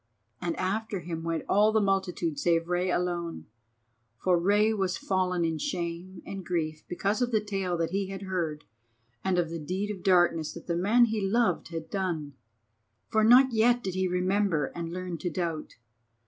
And after him went all the multitude save Rei alone. For Rei was fallen in shame and grief because of the tale that he had heard and of the deed of darkness that the man he loved had done. For not yet did he remember and learn to doubt.